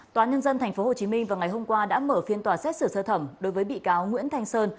tòa nhân dân tp hcm vào ngày hôm qua đã mở phiên tòa xét xử sơ thẩm đối với bị cáo nguyễn thanh sơn